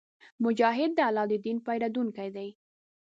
مجاهد د الله د دین پېرودونکی وي.